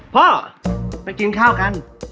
พ่อไปกินข้าวกัน